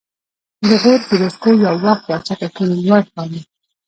د غور فیروزکوه یو وخت د اسیا تر ټولو لوړ ښار و